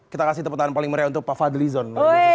kita kasih tepatan paling meriah untuk pak fadlizon